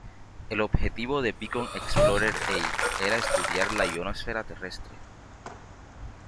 El objetivo de Beacon Explorer-A era estudiar la ionosfera terrestre.